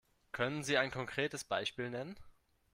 Können Sie ein konkretes Beispiel nennen?